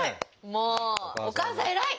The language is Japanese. もうお母さん偉い！